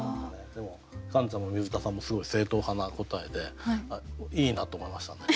でもカンちゃんも水田さんもすごい正統派な答えでいいなと思いましたね。